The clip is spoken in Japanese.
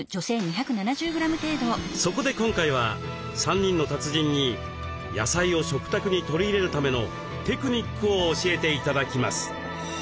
そこで今回は３人の達人に野菜を食卓に取り入れるためのテクニックを教えて頂きます。